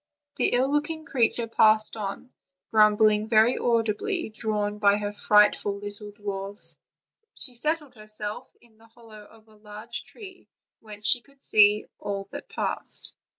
The ill looking creature passed on, grumbling very audibly, drawn by her frightful little dwarfs; she settled herself in the hollow of a large tree, whence she could see all that passed.